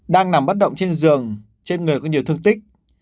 đang nằm bất động trên giường trên người có nhiều thương tích